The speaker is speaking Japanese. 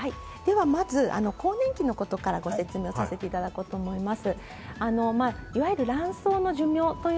まず更年期のことからご説明させていただこうと思います。